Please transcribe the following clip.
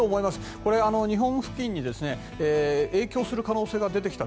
これ、日本付近に影響する可能性が出てきました。